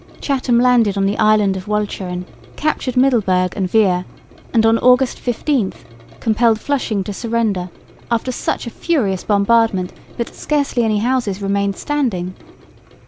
Chatham landed on the island of Walcheren, captured Middelburg and Veere and on August 15 compelled Flushing to surrender after such a furious bombardment that scarcely any houses remained standing.